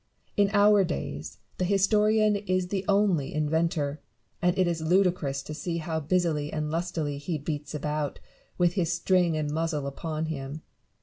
In our days, the historian is the only inventor ; and it is ludicrous to see how busily and lustily he beats about, with his string and muzzle upon him.